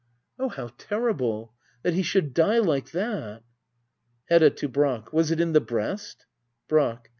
Oh, how terrible ! That he should die like that! Hedda. [To Brack.] Was it in the breast ? Brack.